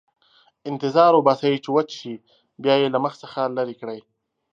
انتظار وباسئ چې وچ شي، بیا یې له مخ څخه لرې کړئ.